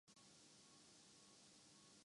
شام ڈھلے ان کا مفہوم بدل جاتا ہے۔